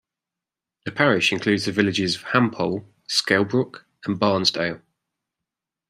The parish includes the villages of Hampole, Skelbrooke and Barnsdale.